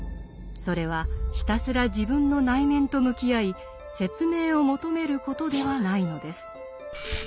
それはひたすら自分の内面と向き合い説明を求めることではないのです。